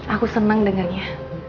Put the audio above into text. aku seneng dengannya